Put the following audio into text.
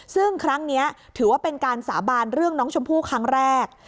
ซึ่งครั้งนี้ถือว่าเป็นการสาบานเรื่องน้องชมพู่ครั้งแรก